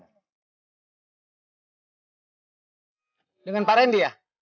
dengan pak randy ya